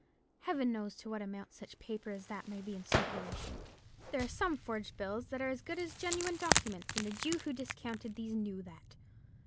Heaven knows to what amount such paper as that may be in circulation. There are some forged bills that are as good as genuine documents; and the Jew who discounted these knew that.